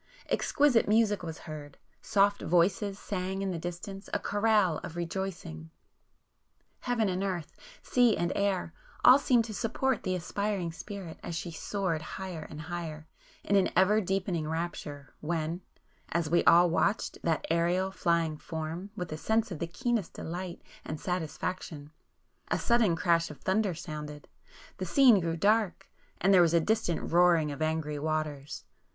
Exquisite music was heard,—soft voices sang in the distance a chorale of rejoicing;—heaven and earth, sea and air,—all seemed to support the aspiring Spirit as she soared higher and higher, in ever deepening rapture, when,—as we all watched that aerial flying form with a sense of the keenest delight and satisfaction,—a sudden crash of thunder sounded,—the scene grew dark,—and there was a distant roaring of angry waters.